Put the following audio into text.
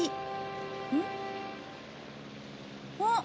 あっ。